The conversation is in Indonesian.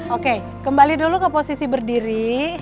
oke kembali dulu ke posisi berdiri